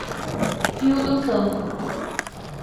Rio do Campo